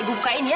ibu bukain ya